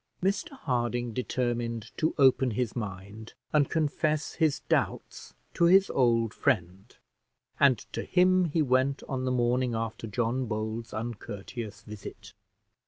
Mr Harding determined to open his mind and confess his doubts to his old friend; and to him he went on the morning after John Bold's uncourteous visit.